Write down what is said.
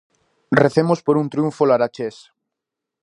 Recemos por un triunfo larachés.